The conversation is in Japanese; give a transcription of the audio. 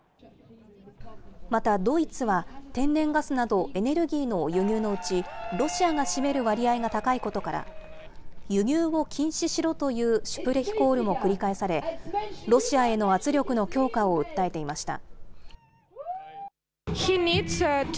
またドイツは、天然ガスなどエネルギーの輸入のうち、ロシアが占める割合が高いことから、輸入を禁止しろというシュプレヒコールも繰り返され、ロシアへの圧力の強化を訴えていました。